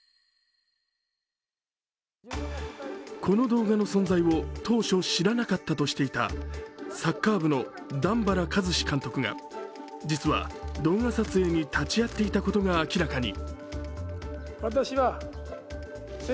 この動画の存在を当初、知らなかったとしていたサッカー部の段原一詞監督が実は動画撮影に立ち会っていたことが明らかに。